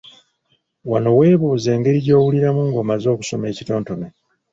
Wano weebuuze engeri gy’owuliramu ng’omaze okusoma ekitontome.